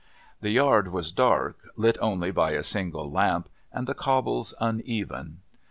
The Yard was dark, lit only by a single lamp, and the cobbles uneven.